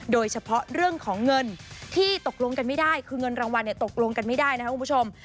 โดยเฉพาะเรื่องของเงินที่ตกลงกันไม่ได้คือเงินรางวัลตกลงกันไม่ได้นะครับคุณผู้ชม